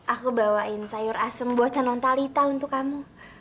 aku bawain sayur asem buatan nontalita untuk kamu